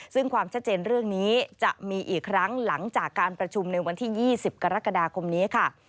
ซึ่งความชัดเจนเรื่องนี้จะมีอีกครั้งหลังจากการประชุมในวันที่๒๐กรกฎาคมนี้ค่ะ